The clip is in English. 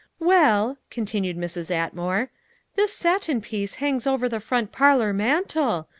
"Well," continued Mrs. Atmore, "this satin piece hangs over the front parlor mantel.